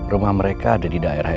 rumah mereka ada di daerah